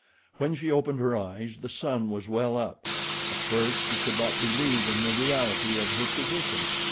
When she opened her eyes the sun was well up. At first she could not believe in the reality of her position.